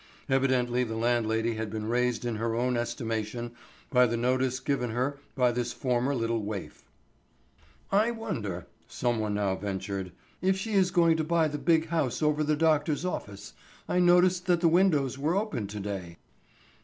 Evidently the landlady had been raised in her own estimation by the notice given her by this former little waif. "I wonder," someone now ventured, "if she is going to buy the big house over the doctor's office. I noticed that the windows were open to day."